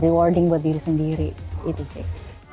rewarding buat diri sendiri itu sih